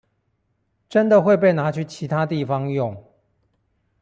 真的會被拿去其他地方用